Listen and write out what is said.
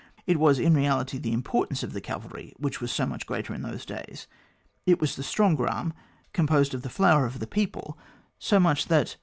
It was in reality the importance of the cavalry which was so much greater in those days ; it was the stronger arm, composed of the flower of the people, so much so that.